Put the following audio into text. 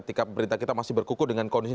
terima kasih pak